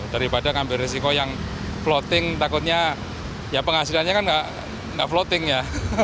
daripada ambil resiko yang floating takutnya ya penghasilannya kan enggak floating ya